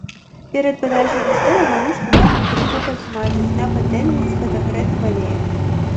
Перад падачай на стол галушкі можна крыху падсмажыць на патэльні з падагрэтым алеем.